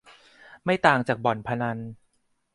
ไม่ต่างจากบ่อนพนัน